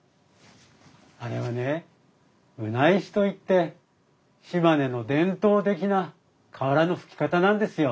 あれはね棟石といって島根の伝統的な瓦の葺き方なんですよ。